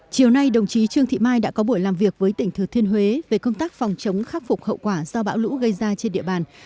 chiều nay đồng chí trương thị mai đã có buổi làm việc với tỉnh thừa thiên huế về công tác phòng chống khắc phục hậu quả do bão lũ gây ra trên địa bàn